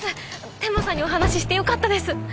天間さんにお話して良かったです。